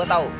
ah gue tau